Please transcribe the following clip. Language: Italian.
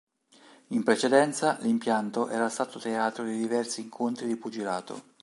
In precedenza, l'impianto era stato teatro di diversi incontri di pugilato.